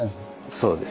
そうです。